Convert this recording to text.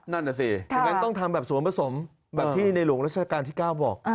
นั่นแหละสิถึงงั้นต้องทำแบบสวมผสมแบบที่ในหลวงรัฐการณ์ที่ก้าวบอก